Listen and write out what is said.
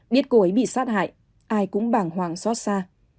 biết cô ấy bị sát hại ai cũng bàng hoàng xót xa